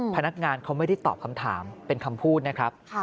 พนักงานเขาไม่ได้ตอบคำถามเป็นคำพูดนะครับ